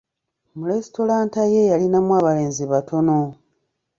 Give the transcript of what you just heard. Mu lesitulanta ye yalinamu abalenzi batono.